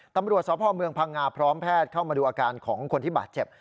ตำรวจสพเมืองพังงาพร้อมแพทย์เข้ามาดูอาการของคนที่บาดเจ็บ